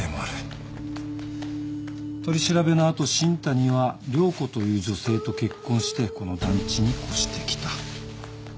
取り調べの後新谷は涼子という女性と結婚してこの団地に越してきた。